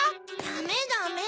ダメダメ！